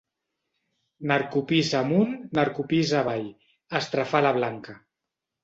Narcopís amunt, narcopís avall —estrafà la Blanca—.